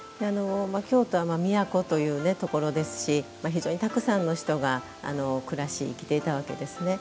京都は都というところですし非常にたくさんの人が暮らし生きていたわけですね。